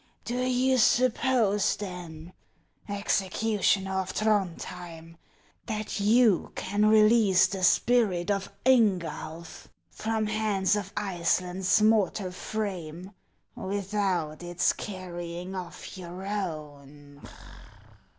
Do you suppose, then, executioner of Throndhjem, that you can release the spirit of Ingulf from Hans of Iceland's mortal frame without its carrying off your own